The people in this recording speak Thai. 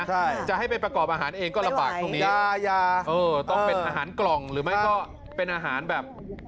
ใช่จะให้ไปประกอบอาหารเองก็ลำบากตรงนี้ยายาเออต้องเป็นอาหารกล่องหรือไม่ก็เป็นอาหารแบบ